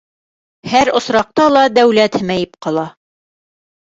Һәр осраҡта ла дәүләт һемәйеп ҡала.